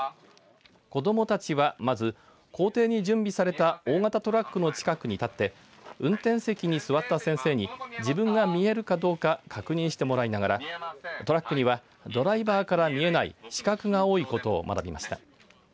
子どもたちはまず校庭に準備された大型トラックの近くに立って運転席に座った先生に自分が見えるかどうか確認してもらいながらトラックにはドライバーから見えない死角が多いことを学びました。